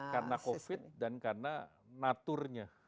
karena covid dan karena nature nya